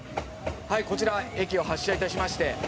「はいこちら駅を発車いたしまして」